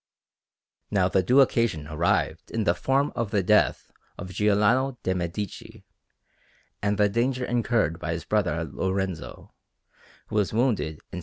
Now the due occasion arrived in the form of the death of Giuliano de' Medici and the danger incurred by his brother Lorenzo, who was wounded in S.